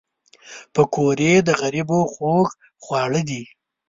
پکورې د غریبو خوږ خواړه دي